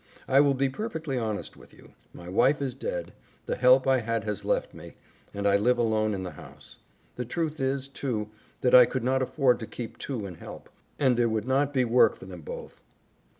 I will be perfectly honest with you. My wife is dead, the help I had has left me, and I live alone in the house. The truth is, too, that I could not afford to keep two in help, and there would not be work for them both."